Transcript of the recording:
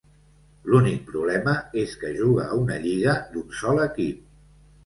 L'únic problema és que juga a una lliga d'un sol equip.